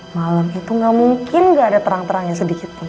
malam itu gak mungkin gak ada terang terangnya sedikit